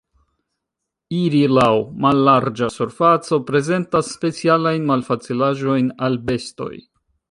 Iri laŭ mallarĝa surfaco prezentas specialajn malfacilaĵojn al bestoj.